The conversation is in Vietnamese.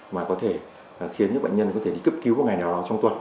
mà có thể khiến những bệnh nhân đi cấp cứu một ngày nào đó trong tuần